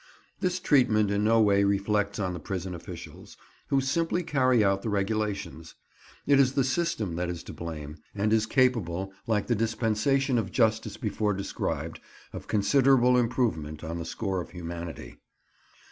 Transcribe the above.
This treatment in no way reflects on the prison officials, who simply carry out the regulations; it is the system that is to blame, and is capable, like the dispensation of justice before described, of considerable improvement on the score of humanity.